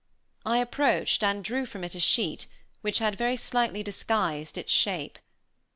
I approached and drew from it a sheet which had very slightly disguised its shape.